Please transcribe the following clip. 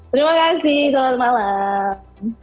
terima kasih selamat malam